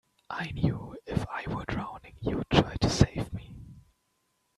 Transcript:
I knew if I were drowning you'd try to save me.